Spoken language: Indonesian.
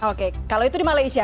oke kalau itu di malaysia